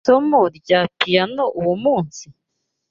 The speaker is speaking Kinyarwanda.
Wari ufite isomo rya piyano uwo munsi?